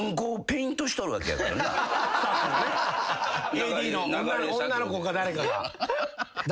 ＡＤの女の子か誰かが。